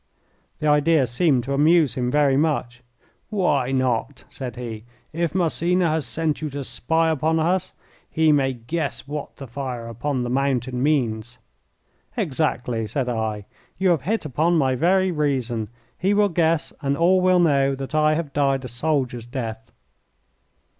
The idea seemed to amuse him very much. "Why not?" said he. "If Massena has sent you to spy upon us, he may guess what the fire upon the mountain means." "Exactly," said I. "You have hit upon my very reason. He will guess, and all will know, that I have died a soldier's death."